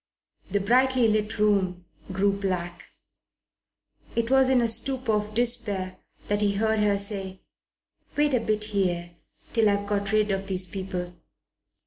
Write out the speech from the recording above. The brightly lit room grew black. It was in a stupor of despair that he heard her say, "Wait a bit here, till I've got rid of these people."